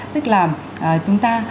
tức là chúng ta